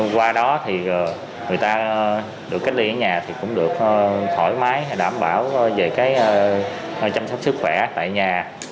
qua đó người ta được cách ly ở nhà cũng được thoải mái đảm bảo về chăm sóc sức khỏe tại nhà